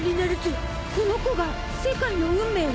この子が世界の運命を？